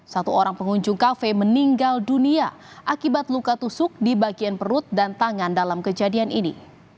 satu orang pengunjung kafe meninggal dunia akibat luka tusuk di bagian perut dan tangan dalam kejadian ini